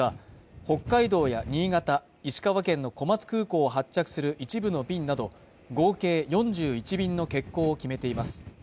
北海道や新潟、石川県の小松空港を発着する一部の便など合計４１便の欠航を決めています